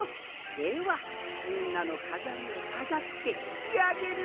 ではみんなのかざりをかざってしあげるぞい。